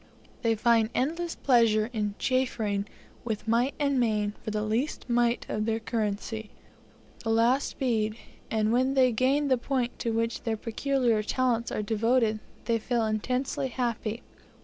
They find endless pleasure in chaffering with might and main for the least mite of their currency the last bead; and when they gain the point to which their peculiar talents are devoted, they feel intensely happy.